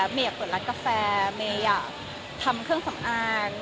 เมย์อยากเปิดร้านกาแฟเมย์อยากทำเครื่องสำอาง